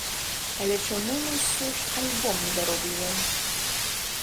Але чаму мы ўсё ж альбом не даробліваем?